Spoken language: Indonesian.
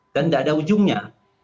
dan gak ada ujungnya